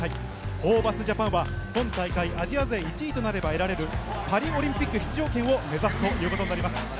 ホーバスＪＡＰＡＮは今大会、アジア勢１位となれば得られる、パリオリンピック出場権を目指すということになります。